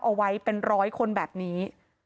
เอาไว้เป็นร้อยคนแบบนี้